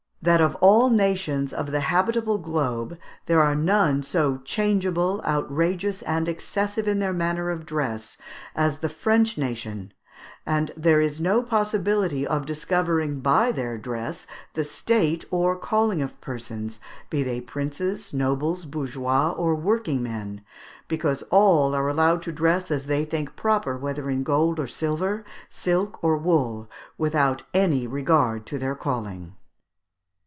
"that of all nations of the habitable globe there are none so changeable, outrageous, and excessive in their manner of dress, as the French nation, and there is no possibility of discovering by their dress the state or calling of persons, be they princes, nobles, bourgeois, or working men, because all are allowed to dress as they think proper, whether in gold or silver, silk or wool, without any regard to their calling."